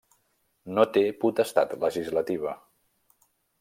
No té potestat legislativa.